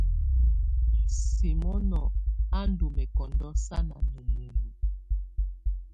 Simono á ndɔ́ mɛ́kɔndɔ́ sánà ná munuǝ.